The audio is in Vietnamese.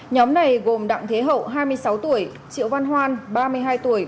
nhóm này gồm đặng thế hậu hai mươi sáu tuổi triệu văn hoan ba mươi hai tuổi